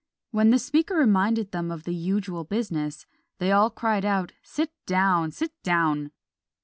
When the speaker reminded them of the usual business, they all cried out, "Sit down! sit down!"